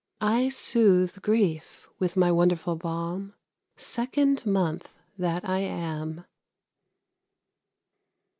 I soothe grief with my wonderful balm, Second month that I am.